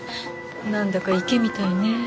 何だか池みたいね。